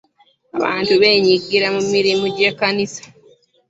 Abantu beenyigira mu mirimu gy'ekkanisa.